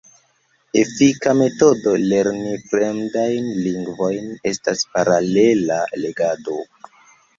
Efika metodo lerni fremdajn lingvojn estas paralela legado.